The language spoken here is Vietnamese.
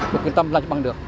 tôi quyết tâm làm cho bằng được